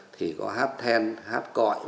thì có hát then hát cõi